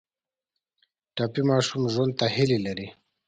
ټپي ماشوم ژوند ته هیله لري.